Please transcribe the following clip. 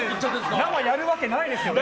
生やるわけないですよね。